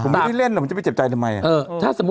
ถ้าสมมุติเรายังไม่ขาย